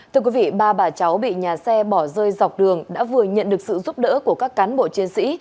thưa quý vị ba bà cháu bị nhà xe bỏ rơi dọc đường đã vừa nhận được sự giúp đỡ của các cán bộ chiến sĩ